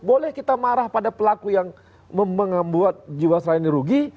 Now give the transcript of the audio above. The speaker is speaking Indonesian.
boleh kita marah pada pelaku yang membuat jiwa selain dirugi